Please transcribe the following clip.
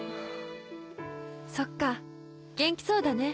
そっか元気そうだね。